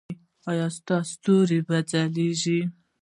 ایا ستاسو ستوري به ځلیږي؟